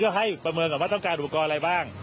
ก็ให้ประเมินก่อนว่าต้องการอุปกรณ์อะไรบ้าง